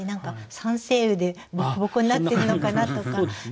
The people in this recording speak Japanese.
酸性雨でぼこぼこになってるのかなとか。